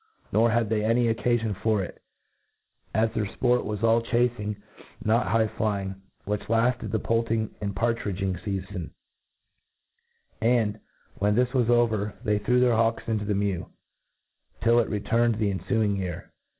Nor had they any occafion for it, as their fport was all chacing, not high flying, which kfted the poulting and partridging feafon ; and, when this was over, they threw their hawks into the mew, till it returned the enfuing year.